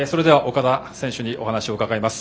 岡田選手にお話を伺います。